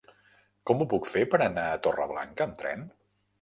Com ho puc fer per anar a Torreblanca amb tren?